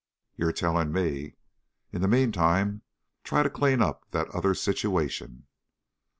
"You're telling me!" "In the meantime, try and clean up that other situation."